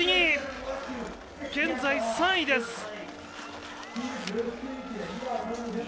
現在３位です。